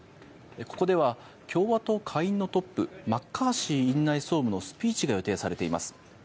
ここでは共和党下院のトップマッカーシー院内総務のスピーチが予定されています。